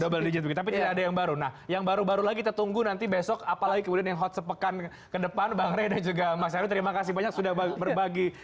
double digit tapi tidak ada yang baru nah yang baru baru lagi tertunggu nanti besok apalagi kemudian yang hot sepekan ke depan bang rai dan juga mas haru terima kasih banyak sudah berbagi perspektif bagi kita